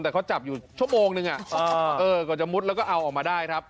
แต่เขาจับอยู่ชั่วโมงนึงกว่าจะมุดแล้วก็เอาออกมาได้ครับ